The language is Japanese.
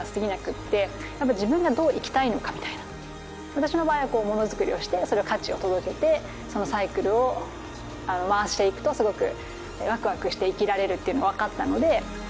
私の場合はモノづくりをしてその価値を届けてサイクルを回していくとすごくワクワクして生きられるっていうのがわかったので。